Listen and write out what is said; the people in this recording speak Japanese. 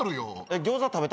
えっ？